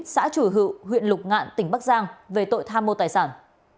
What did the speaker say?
xã chủ hữu huyện lục ngạn tỉnh bắc giang về tội tham mô tài sản